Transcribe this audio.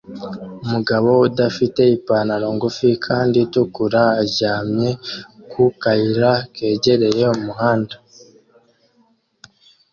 Umugabo udafite ipantaro ngufi kandi itukura aryamye ku kayira kegereye umuhanda